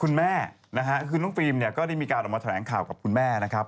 คุณแม่นะฮะคือน้องฟิล์มเนี่ยก็ได้มีการออกมาแถลงข่าวกับคุณแม่นะครับ